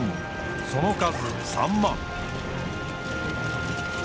その数３万。